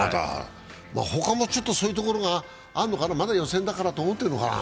他もちょっとそういうところがあるのかな、まだ予選だからと思ってるのかな。